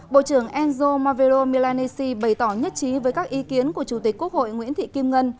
bộ trưởng enzo mavero milaneses bày tỏ nhất trí với các ý kiến của chủ tịch quốc hội nguyễn thị kim ngân